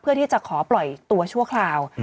ที่จะขอปล่อยตัวชั่วคราว